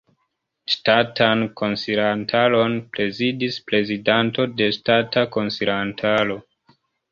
Ŝtatan Konsilantaron prezidis Prezidanto de Ŝtata Konsilantaro.